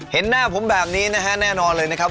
เห็นหน้าผมแบบนี้นะฮะแน่นอนเลยนะครับ